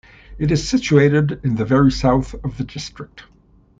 It is situated in the very south of the district.